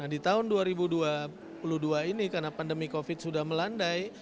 di tahun dua ribu dua puluh dua ini karena pandemi covid sudah melandai